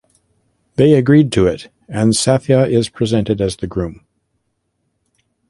They agree to it and Sathya is presented as the groom.